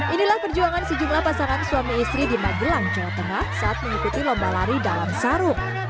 inilah perjuangan sejumlah pasangan suami istri di magelang jawa tengah saat mengikuti lomba lari dalam sarung